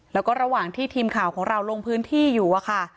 แล้วก็ระหว่างที่ทีมข่าวของเราลงพื้นที่อยู่อะค่ะ